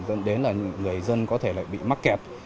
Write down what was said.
dẫn đến là người dân có thể lại bị mắc kẹt